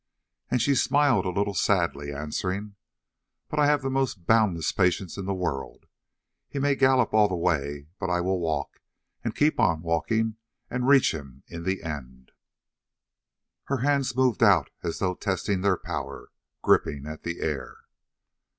And she smiled a little sadly, answering: "But I have the most boundless patience in the world. He may gallop all the way, but I will walk, and keep on walking, and reach him in the end." Her hands moved out as though testing their power, gripping at the air.